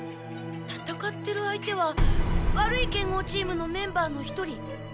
たたかってる相手は悪い剣豪チームのメンバーの一人。